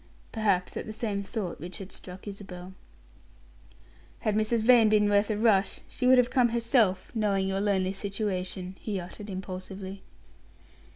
Perhaps at the same thought which had struck Isabel. "Had Mrs. Vane been worth a rush, she would have come herself, knowing your lonely situation," he uttered, impulsively.